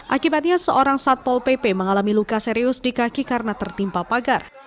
akibatnya seorang satpol pp mengalami luka serius di kaki karena tertimpa pagar